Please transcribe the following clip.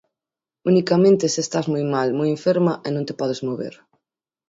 Unicamente se estás moi mal, moi enferma e non te podes mover.